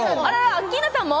アッキーナさんも？